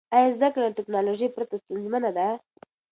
آیا زده کړه له ټیکنالوژۍ پرته ستونزمنه ده؟